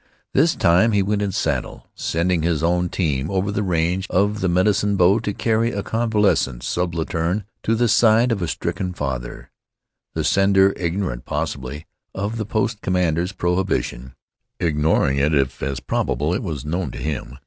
This time he went in saddle, sending his own team over the range of the Medicine Bow to carry a convalescent subaltern to the side of a stricken father; the sender ignorant, possibly, of the post commander's prohibition; ignoring it, if, as probable, it was known to him.